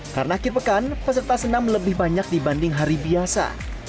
karena akhir pekan peserta senam lebih banyak dibanding hari biasa